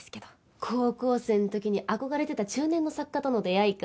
高校生の時に憧れてた中年の作家との出会いか。